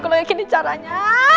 gue gak yakin ini caranya